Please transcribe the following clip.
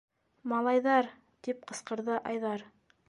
- Малайҙар! - тип ҡысҡырҙы Айҙар.